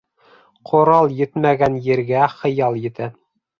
Ҡорал етмәгән ергә хыял етә.